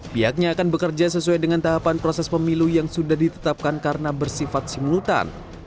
pihaknya akan bekerja sesuai dengan tahapan proses pemilu yang sudah ditetapkan karena bersifat simultan